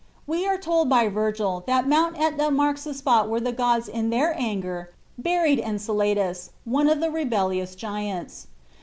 We are told by Virgil that Mt. Etna marks the spot where the gods in their anger buried Enceladus, one of the rebellious giants.